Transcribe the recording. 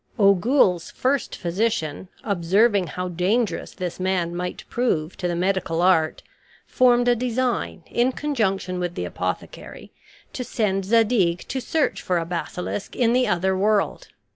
Ogul's first physician, observing how dangerous this man might prove to the medical art, formed a design, in conjunction with the apothecary, to send Zadig to search for a basilisk in the other world.